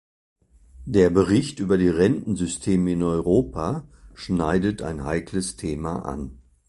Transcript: Der Bericht über die Rentensysteme in Europa schneidet ein heikles Thema an.